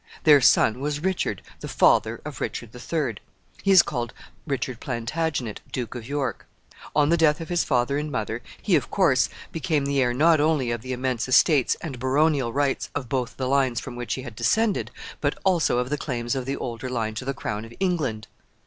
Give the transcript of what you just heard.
Their son was Richard, the father of Richard the Third. He is called Richard Plantagenet, Duke of York. On the death of his father and mother, he, of course, became the heir not only of the immense estates and baronial rights of both the lines from which he had descended, but also of the claims of the older line to the crown of England.